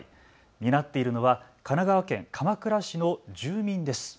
担っているのは神奈川県鎌倉市の住民です。